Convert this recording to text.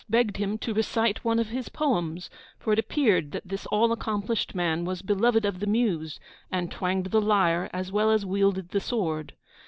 begged him to recite one of his poems; for it appeared this all accomplished man was beloved of the muse, and twanged the lyre as well as wielded the sword.